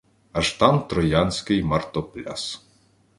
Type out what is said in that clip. Аж там троянський мартопляс...